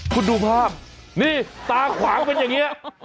คุณดูภาพนี่ตาขวางเป็นอย่างนี้